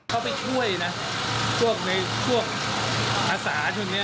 เขาไปช่วยนะในพวกอาศาชนนี้